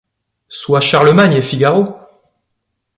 Sois Charlemagne Et Figaro !